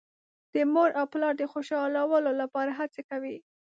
د مور او پلار د خوشحالولو لپاره هڅه کوي.